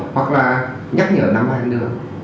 hoặc là nhắc nhở năm anh nữa